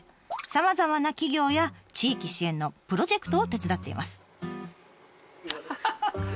さまざまな企業や地域支援のプロジェクトを手伝っています。